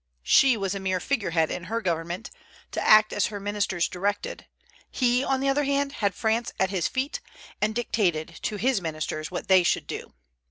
She was a mere figure head in her government, to act as her ministers directed; he, on the other hand, had France at his feet, and dictated to his ministers what they should do.